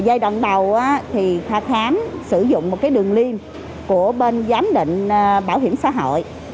giai đoạn đầu thì thả thám sử dụng một cái đường liên của bên giám định bảo hiểm xã hội